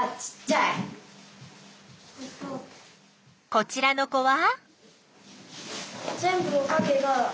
こちらの子は？